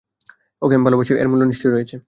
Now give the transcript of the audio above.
ওকে ভালোবাসি আমি, এর মূল্য নিশ্চয়ই রয়েছে!